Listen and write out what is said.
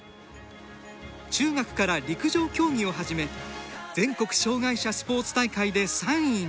中学から陸上競技を始め全国障害者スポーツ大会で３位に。